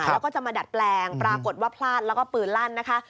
แล้วก็จะมาดัดแปลงปาร์ตนกดว่าพลาดพืนรั่นนะคะ